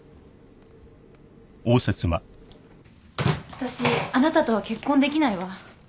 わたしあなたとは結婚できないわ。